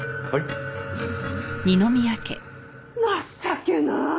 情けない！